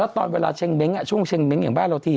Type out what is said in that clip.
แล้วตอนเวลาเช็งเม้งค์ช่วงเช็งเม้งค์อย่างบ้านเราที่